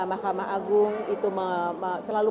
mahkamah agung itu selalu